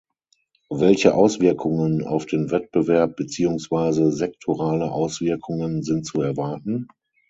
Welche Auswirkungen auf den Wettbewerb beziehungsweise sektorale Auswirkungen sind zu erwarten?